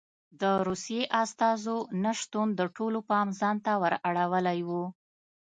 د روسیې استازو نه شتون د ټولو پام ځان ته ور اړولی و.